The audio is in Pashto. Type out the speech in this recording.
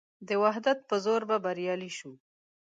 د وحدت په زور به بریالي شو.